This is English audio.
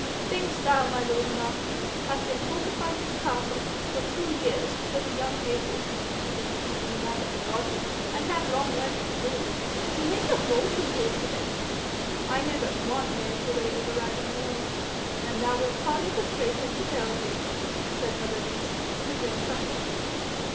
'Thinks thou my lord marquis hath been fortifying his castle for two years that a young Heywood, even if he be one of the godly, and have long legs to boot, should make a vaulting horse of it? I know but one knows the way over Raglan walls, and thou wilt hardly persuade him to tell thee,' said mother Rees, with a grim chuckle.